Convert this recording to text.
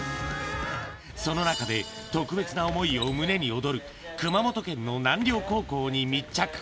その中で特別な想いを胸に踊る熊本県の南稜高校に密着。